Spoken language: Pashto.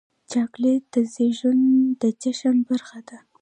چاکلېټ د زیږون د جشن برخه ده.